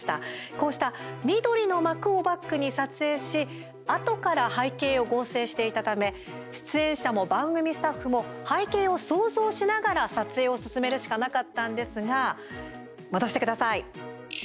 こうした緑の幕をバックに撮影しあとから背景を合成していたため出演者も番組スタッフも背景を想像しながら、撮影を進めるしかなかったんですが戻してください。